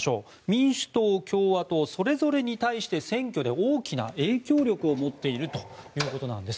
民主党・共和党それぞれに対して選挙で大きな影響力を持っているということなんです。